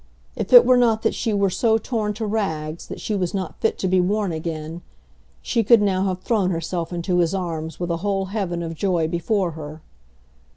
If it were not that she were so torn to rags that she was not fit to be worn again, she could now have thrown herself into his arms with a whole heaven of joy before her.